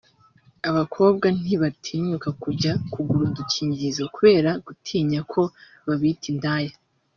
abakobwa ntibatinyuka kujya kugura udukingirizo kubera gutinya ko babita indaya